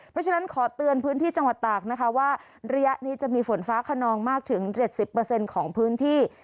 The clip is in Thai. เพราะฉะนั้นขอเตือนพื้นที่จังหวัดตากนะคะว่าระยะนี้จะมีฝนฟ้าขนองมากถึง๗๐ของพื้นที่